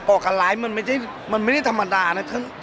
ออกกันไลน์มันไม่ใช่มันไม่ได้ธรรมดานะ